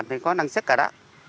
thì có năng sức rồi đó